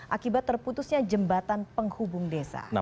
akibat terputusnya jembatan penghubung desa